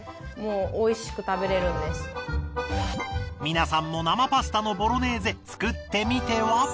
皆さんも生パスタのボロネーゼ作ってみては？